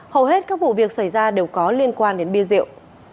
hầu hết các vụ việc xảy ra đều có liên quan đến bia rượu